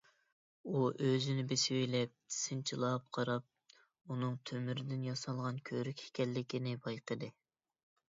ئۇ ئۆزىنى بېسىۋېلىپ، سىنچىلاپ قاراپ، ئۇنىڭ تۆمۈردىن ياسالغان كۆۋرۈك ئىكەنلىكىنى بايقىدى.